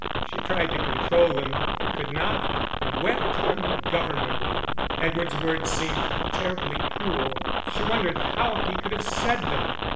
She tried to control them, but could not and wept ungovernably. Edward's words seemed terribly cruel; she wondered how he could have said them.